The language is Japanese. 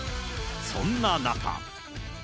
そんな中。